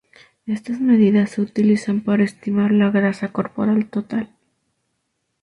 Estas medidas se utilizan para estimar la grasa corporal total.